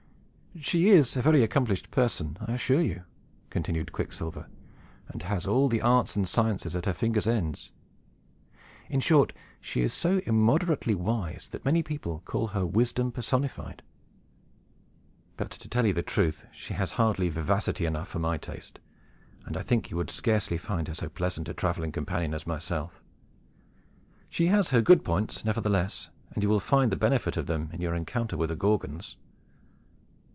"She is a very accomplished person, I assure you," continued Quicksilver, "and has all the arts and sciences at her fingers' ends. In short, she is so immoderately wise that many people call her wisdom personified. But, to tell you the truth, she has hardly vivacity enough for my taste; and I think you would scarcely find her so pleasant a traveling companion as myself. She has her good points, nevertheless; and you will find the benefit of them, in your encounter with the Gorgons."